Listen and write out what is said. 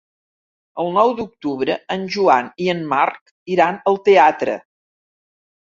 El nou d'octubre en Joan i en Marc iran al teatre.